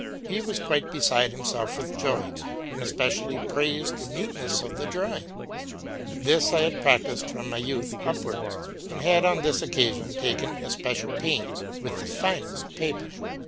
He was quite beside himself with joy, and especially praised the neat ness of the drawing. This I had practised from my youth uowards, and had on this occasion taken especial pains, with 60 TRUTH AND FICTION the finest paper.